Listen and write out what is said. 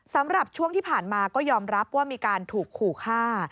สำหรับช่วงที่ผ่านมาก็ยอมรับว่ามีการถูกขู่ฆ่า